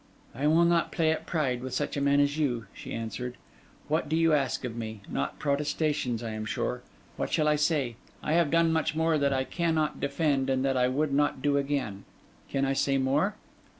'I will not play at pride with such a man as you,' she answered. 'What do you ask of me? not protestations, I am sure. What shall I say? I have done much that I cannot defend and that I would not do again. Can I say more?